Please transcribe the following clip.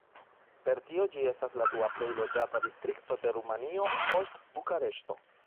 Per tio ĝi estas la dua plej loĝata distrikto de Rumanio, post Bukareŝto.